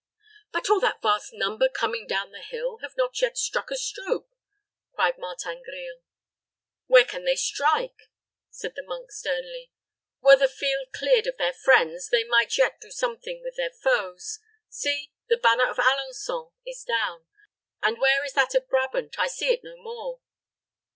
"But all that vast number coming down the hill have not yet struck a stroke," cried Martin Grille. "Where can they strike?" said the monk, sternly. "Were the field cleared of their friends, they might yet do something with their foes. See, the banner of Alençon is down, and where is that of Brabant? I see it no more."